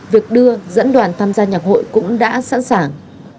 việc đưa dẫn đoàn tham gia nhạc hội cũng đã sẵn sàng